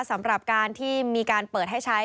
สำหรับการที่มีการเปิดให้ใช้